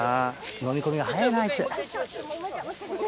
飲み込みが早いな、あいつ。